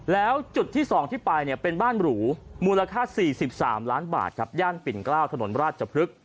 แล้วจุดที่๒ที่ไปเนี่ยเป็นบ้านหรูมูลค่า๔๓ล้านบาทครับย่านปิ่นเกล้าวถนนราชพฤกษ